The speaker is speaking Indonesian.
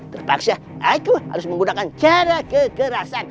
terpaksa aku harus menggunakan cara kekerasan